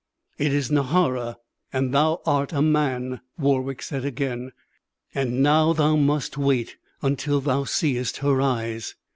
"It is Nahara, and thou art a man," Warwick said again. "And now thou must wait until thou seest her eyes."